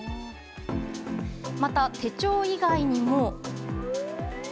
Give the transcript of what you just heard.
また手帳以外にも。